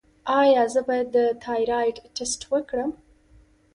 ایا زه باید د تایرايډ ټسټ وکړم؟